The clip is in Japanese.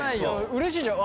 うれしいじゃん。